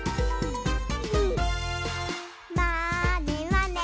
「まーねまね」